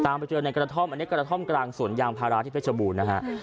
ไปเจอในกระท่อมอันนี้กระท่อมกลางสวนยางพาราที่เพชรบูรณ์นะฮะ